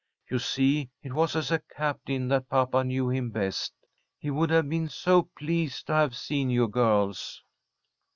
You see it was as a captain that papa knew him best. He would have been so pleased to have seen you girls."